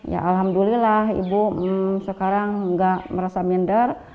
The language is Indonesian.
ya alhamdulillah ibu sekarang nggak merasa minder